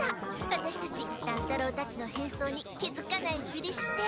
ワタシたち乱太郎たちの変装に気づかないふりして。